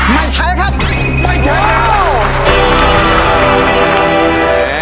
ไม่ใช้ครับไม่ใช้